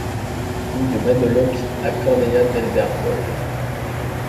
Rue de Madeloc à Corneilla-del-Vercol